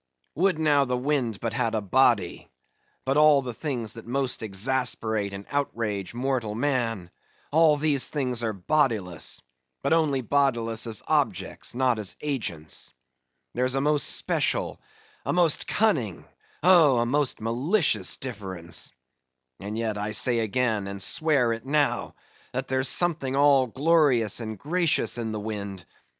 Would now the wind but had a body; but all the things that most exasperate and outrage mortal man, all these things are bodiless, but only bodiless as objects, not as agents. There's a most special, a most cunning, oh, a most malicious difference! And yet, I say again, and swear it now, that there's something all glorious and gracious in the wind.